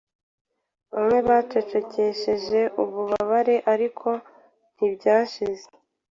bamwe bacecekesheje ububabare ariko ntibyashize